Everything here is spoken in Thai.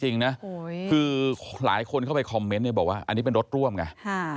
จริงนะคือหลายคนเข้าไปคอมเมนต์เนี่ยบอกว่าอันนี้เป็นรถร่วมไง